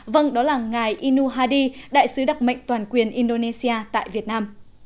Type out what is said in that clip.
vâng đó là ngài inu hadi đại sứ đặc mệnh toàn quyền indonesia tại việt nam